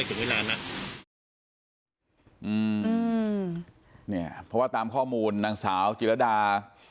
อืมเนี่ยเพราะว่าตามข้อมูลนางสาวจิรดา